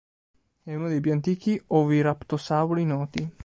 È uno dei più antichi oviraptorosauri noti.